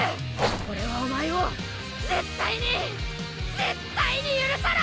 俺はお前を絶対に絶対に許さない！